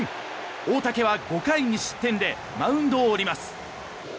大竹は５回２失点でマウンドを降ります。